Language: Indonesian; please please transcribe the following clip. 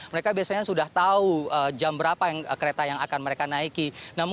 mereka biasanya sudah tahu jam berapa kereta yang akan mereka naiki